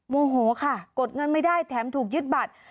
โมโหค่ะกดเงินไม่ได้แถมถูกยึดบัตร